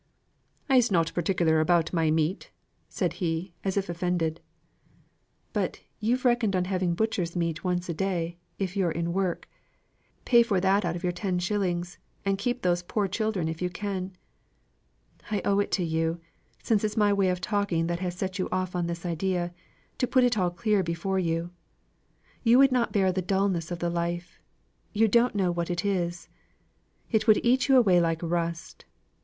"I'se nought particular about my meat," said he, as if offended. "But you've reckoned on having butcher's meat once a day, if you're in work; pay for that out of your ten shillings, and keep those poor children if you can. I owe it to you since it's my way of talking that has set you off on this idea to put it all clear before you. You would not bear the dulness of the life; you don't know what it is; it would eat you away like rust.